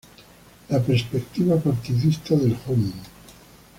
La perspectiva partidista del Hon.